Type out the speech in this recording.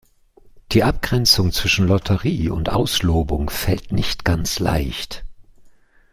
Die Abgrenzung zwischen Lotterie und Auslobung fällt nicht ganz leicht.